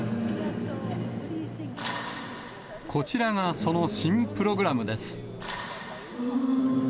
こちらがその新プログラムです。